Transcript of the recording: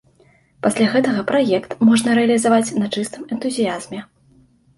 Пасля гэтага праект можна рэалізаваць на чыстым энтузіязме.